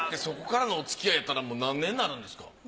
そこからのおつきあいやったらもう何年になるんですか？